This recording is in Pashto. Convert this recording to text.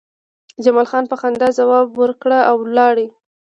جمال خان په خندا ځواب ورکړ او لاړ